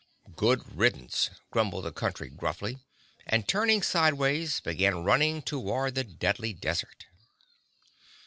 "Good riddance," grumbled the Country gruffly and, turning sideways, began running toward the Deadly Desert.